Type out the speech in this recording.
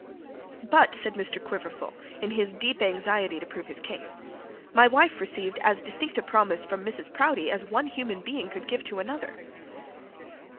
'But,' said Mr Quiverful, in his deep anxiety to prove his case, 'my wife received as distinct a promise from Mrs Proudie as one human being could give to another.'